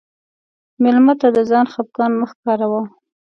مېلمه ته د ځان خفګان مه ښکاروه.